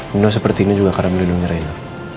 nino seperti ini juga karena beledungnya rena